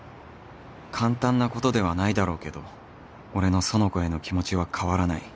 簡単なことではないだろうけど俺の苑子への気持ちは変わらない